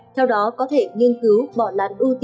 theo đó có thể nghiên cứu bỏ làn ưu tiên